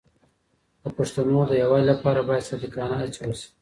د پښتنو د یووالي لپاره باید صادقانه هڅې وشي.